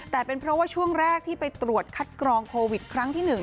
แต่เป็นเพราะว่าช่วงแรกที่ไปตรวจคัดกรองโควิดครั้งที่๑